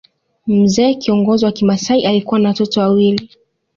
Mzee kiongozi wa kimasai alikuwa na watoto wawili